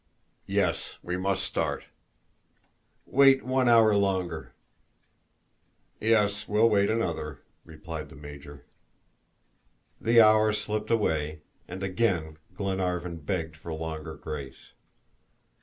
"Yes, we must start." "Wait one hour longer." "Yes, we'll wait another," replied the Major. The hour slipped away, and again Glenarvan begged for longer grace.